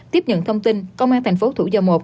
tiếp nhận thông tin công an thành phố thủ dầu một